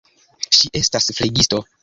Ŝi estas flegisto.